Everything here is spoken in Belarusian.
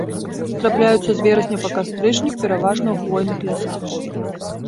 Трапляюцца з верасня па кастрычнік пераважна ў хвойных лясах.